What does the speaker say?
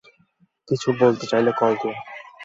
কিছু বলতে চাইলে কল দিও।